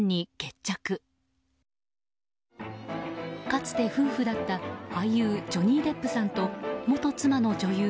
かつて夫婦だった俳優ジョニー・デップさんと元妻の女優